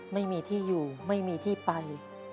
ไม่มีที่อยู่ไม่มีที่ไป